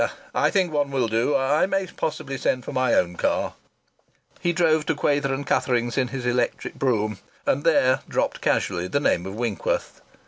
"I think one will do ... I may possibly send for my own car." He drove to Quayther & Cuthering's in his electric brougham and there dropped casually the name of Winkworth.